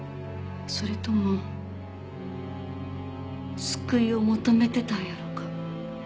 それとも救いを求めてたんやろか？